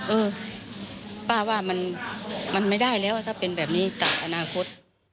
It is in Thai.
เออป้าว่ามันไม่ได้แล้วถ้าเป็นแบบนี้จากอนาคต